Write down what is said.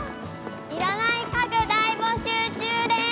いらない家具大募集中です。